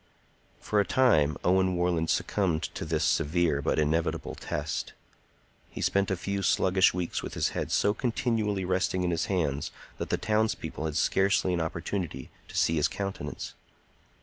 For a time Owen Warland succumbed to this severe but inevitable test. He spent a few sluggish weeks with his head so continually resting in his hands that the towns people had scarcely an opportunity to see his countenance.